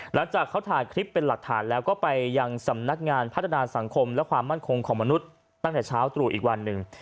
หลังจากเขาถ่ายคลิปเป็นหลักฐานแล้วก็ไปยังสำนักงานพัฒนาสังคมและความมั่นคงของมนุษย์ตั้งแต่เช้าตรู่อีกวันหนึ่ง